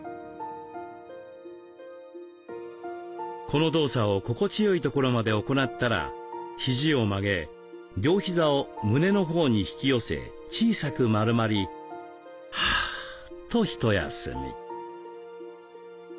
この動作を心地よいところまで行ったらひじを曲げ両ひざを胸のほうに引き寄せ小さく丸まりはぁとひと休み。